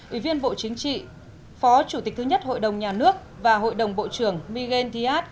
ủy viên bộ chính trị phó chủ tịch thứ nhất hội đồng nhà nước và hội đồng bộ trưởng miguel díaz